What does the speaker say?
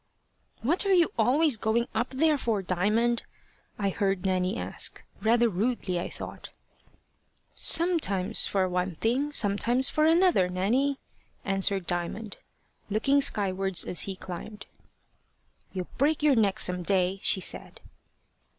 "What are you always going up there for, Diamond?" I heard Nanny ask, rather rudely, I thought. "Sometimes for one thing, sometimes for another, Nanny," answered Diamond, looking skywards as he climbed. "You'll break your neck some day," she said.